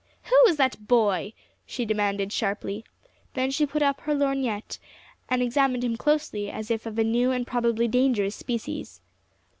"Who is that boy?" she demanded sharply. Then she put up her lorgnette, and examined him closely as if of a new and probably dangerous species.